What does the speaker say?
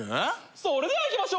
それでは行きましょう！